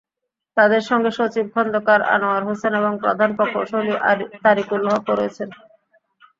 তাঁদের সঙ্গে সচিব খন্দকার আনোয়ার হোসেন এবং প্রধান প্রকৌশলী তারিকুল হকও রয়েছেন।